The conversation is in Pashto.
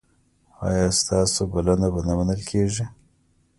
ایا ستاسو بلنه به نه منل کیږي؟